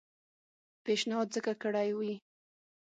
پېشنهاد ځکه کړی وي.